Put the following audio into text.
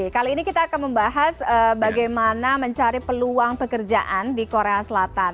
kali ini kita akan membahas bagaimana mencari peluang pekerjaan di korea selatan